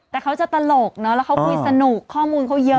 แต่เขาจะตลกเนอะแล้วเขาคุยสนุกข้อมูลเขาเยอะ